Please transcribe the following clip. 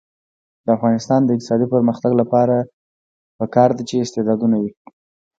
د افغانستان د اقتصادي پرمختګ لپاره پکار ده چې استعدادونه وي.